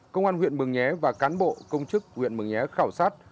công an huyện mường nhé và cán bộ công chức huyện mường nhé khảo sát